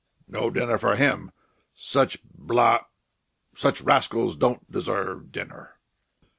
"No dinner for him! Such bla ... such rascals don't deserve dinner!"